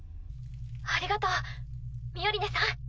ありがとうミオリネさん。